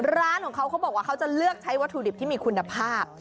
ร้านของเขาเขาบอกว่าเขาจะเลือกใช้วัตถุดิบที่มีคุณภาพ